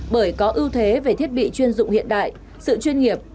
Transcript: bởi có ưu thế về thiết bị chuyên dụng hiện đại sự chuyên nghiệp